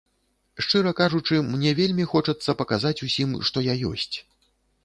Шчыра кажучы, мне вельмі хочацца паказаць усім, што я ёсць.